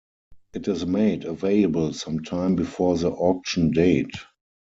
It is made available some time before the auction date.